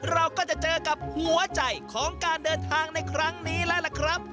เราก็จะเจอกับหัวใจของการเดินทางในครั้งนี้แล้วล่ะครับ